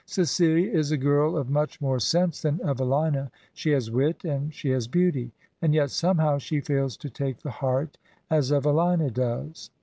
CeciUa is a girl of much more sense than Evelina; she has wit and she has beauty; and yet somehow she fails to take the heart as Evelina does.